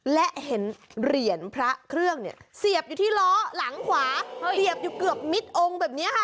และเห็นเหรียญพระเครื่องเสียบอยู่ที่ล้อหลังขวาเกือบมิดองค์